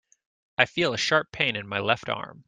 I feel a sharp pain in my left arm.